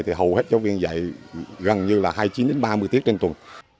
thì hầu hết giáo viên dạy gần như là hai mươi chín đến ba mươi tiết trên tuần